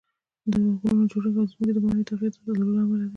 د غرونو جوړښت او د ځمکې د بڼې تغییر د زلزلو له امله دي